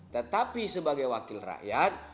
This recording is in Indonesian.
tetapi sebagai wakil rakyat